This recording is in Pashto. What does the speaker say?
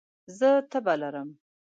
زه تبه لرم